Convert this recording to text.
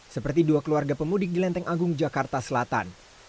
seperti dua keluarga pemudik di lenteng agung jakarta selatan